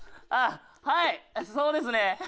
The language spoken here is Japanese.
あっはいそうですね。